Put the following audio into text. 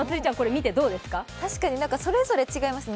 確かにそれぞれ違いますね。